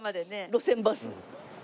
路線バス。